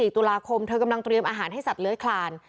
๔ตุลาคมเธอกำลังเตรียมอาหารให้สัตว์เลื้อยคลาน